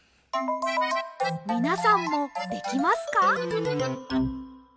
みなさんもできますか？